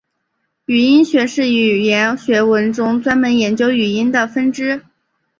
语音学是语言学中专门研究语音的分支。